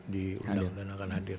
di undang undang akan hadir